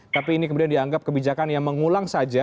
tapi ini kemudian dianggap kebijakan yang mengulang saja